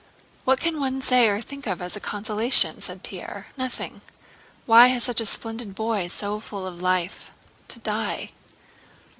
"What can one say or think of as a consolation?" said Pierre. "Nothing! Why had such a splendid boy, so full of life, to die?"